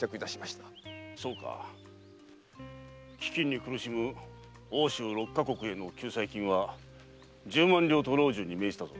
そうか飢饉に苦しむ奥州六か国への救済金は十万両と老中に命じたぞ。